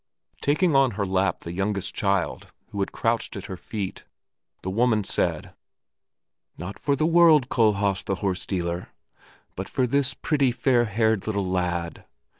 Taking on her lap the youngest child, who had crouched at her feet, the woman said, "Not for the world, Kohlhaas the horse dealer, but for this pretty, fair haired little lad!"